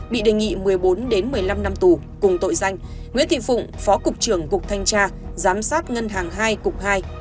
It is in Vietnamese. bị đề nghị một mươi bốn một mươi năm năm tù cùng tội danh nguyễn thị phụng phó cục trưởng cục thanh tra giám sát ngân hàng hai cục hai